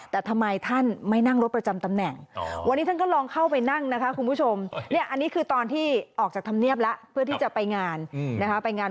แต่ทำไมท่านไม่นั่งรถประจำตำแหน่ง